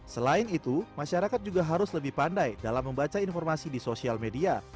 selain itu masyarakat juga harus lebih pandai dalam membaca informasi di sosial media